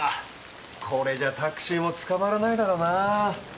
これじゃタクシーもつかまらないだろうな。